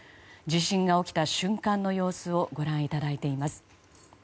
地震が起きた瞬間の様子をご覧いただいています。